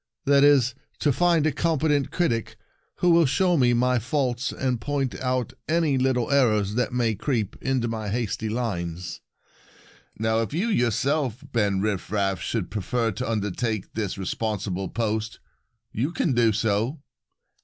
That is, to find a competent critic who will show me my faults and point out any little errors that may creep into my hasty lines. Now, if you your self, Ben Rifraf, should prefer to undertake this responsible post, you can do so."